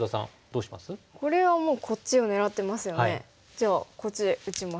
じゃあこっち打ちます。